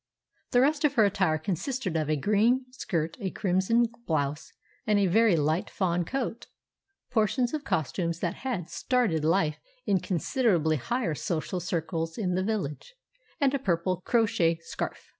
The rest of her attire consisted of a green skirt, a crimson blouse, and a very light fawn coat (portions of costumes that had started life in considerably higher social circles in the village), and a purple crochet scarf.